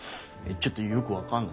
ちょっとよく分かんないっす。